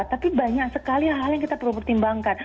tapi banyak sekali hal hal yang kita perlu pertimbangkan